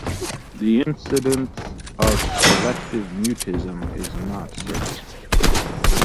The incidence of selective mutism is not certain.